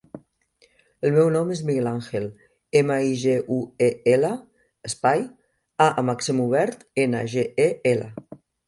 El meu nom és Miguel àngel: ema, i, ge, u, e, ela, espai, a amb accent obert, ena, ge, e, ela.